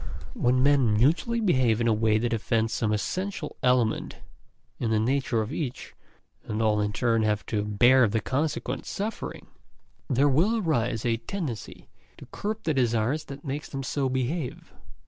When men mutually behave in a way that offends some essential element in the nature of each, and all in turn have to bear the consequent suffering, there will arise a tendency to curb the desire that makes them so behave.